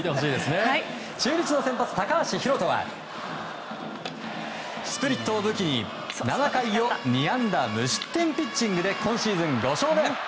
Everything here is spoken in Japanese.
中日の先発、高橋宏斗はスプリットを武器に７回を２安打無失点ピッチングで今シーズン５勝目。